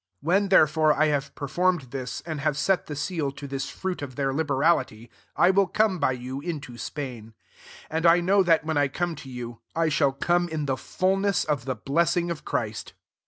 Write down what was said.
28 When, therefore, I have performed this, and have set the seal to this fruit qfthat liberality, I will come by yoa into Spain. 29 And I know that, wh^ I come to you, I shall come in the fulness of the blessing of Christ.